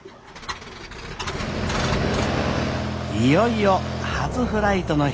いよいよ初フライトの日。